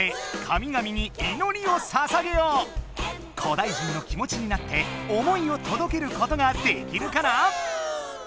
古代人の気もちになって思いをとどけることができるかな？